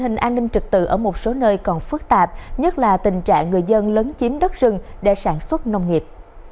nên trực tự ở một số nơi còn phức tạp nhất là tình trạng người dân lớn chiếm đất rừng để sản xuất nông nghiệp